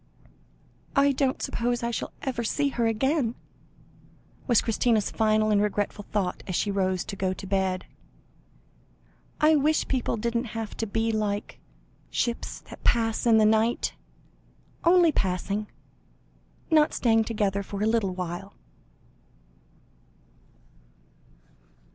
"I don't suppose I shall ever see her again," was Christina's final and regretful thought, as she rose to go to bed. "I wish people didn't have to be like 'ships that pass in the night' only passing not staying together for a little while."